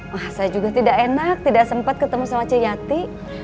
wah saya juga tidak enak tidak sempat ketemu sama ce yati